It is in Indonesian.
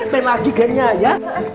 pengen lagi gamenya ya